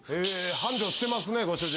繁盛してますねご主人。